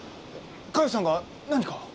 嘉代さんが何か？